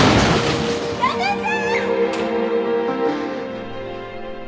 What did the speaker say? やめて！